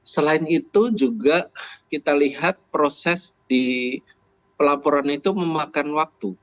selain itu juga kita lihat proses di pelaporan itu memakan waktu